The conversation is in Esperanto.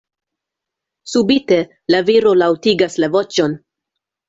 Subite, la viro laŭtigas la voĉon.